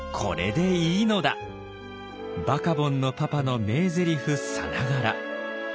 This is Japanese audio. バカボンのパパの名ゼリフさながら。